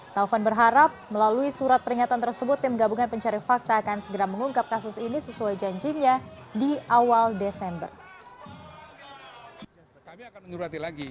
taufan berharap melalui surat peringatan tersebut tim gabungan pencari fakta akan segera mengungkap kasus ini sesuai janjinya di awal desember